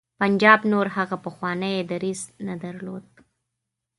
پنجاب نور هغه پخوانی دریځ نه درلود.